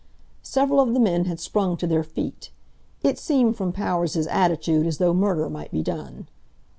Several of the men had sprung to their feet. It seemed from Power's attitude as though murder might be done.